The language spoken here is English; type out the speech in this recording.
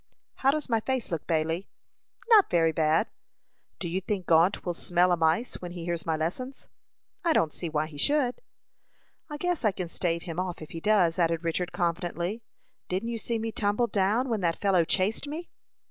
"How does my face look, Bailey?" "Not very bad." "Do you think Gault will smell a mice when he hears my lessons?" "I don't see why he should." "I guess I can stave him off if he does," added Richard, confidently. "Didn't you see me tumble down when that fellow chased me?"